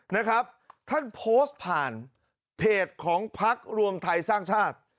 นะครับท่านโพสต์ผ่านเพจของพักรวมไทยสร้างชาติ